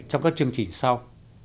trong các chương trình sau